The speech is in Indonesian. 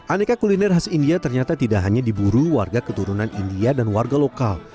aneka kuliner khas india ternyata tidak hanya diburu warga keturunan india dan warga lokal